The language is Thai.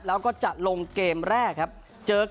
แล้วก็จะลงเกมแรกครับเจอกับบรีรำเลยครับ